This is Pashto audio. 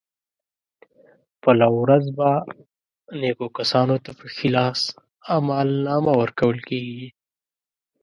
په لو ورځ به نېکو کسانو ته په ښي لاس عملنامه ورکول کېږي.